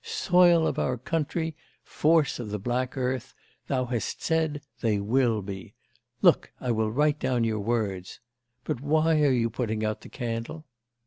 soil of our country! force of the black earth! thou hast said: they will be. Look, I will write down your words. But why are you putting out the candle?